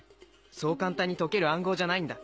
そう簡単に解ける暗号じゃないんだ。